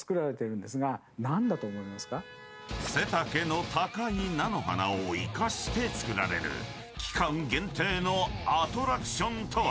［背丈の高い菜の花を生かしてつくられる期間限定のアトラクションとは？］